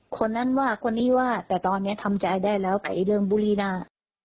คนนั้นว่าคนนี้ว่าแต่ตอนนี้ทำใจได้แล้วกับเรื่องบุรีน่า